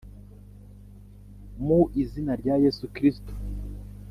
Mu Izina rya Yesu Kristo.